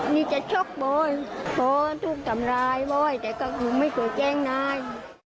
นี่จะชกบ่อยพ่อถูกทำรายบ่อยแต่ก็คือไม่สวยแจ้งนาย